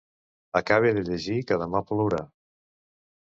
Acabe de llegir que demà plourà.